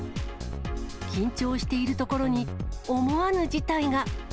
緊張しているところに、思わぬ事態が。